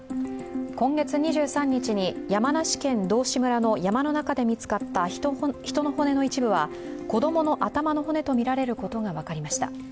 今月２３日に山梨県道志村の山の中で見つかった人の骨の一部は子供の頭の骨とみられることが分かりました。